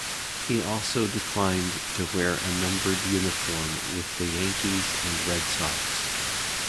He also declined to wear a numbered uniform with the Yankees and Red Sox.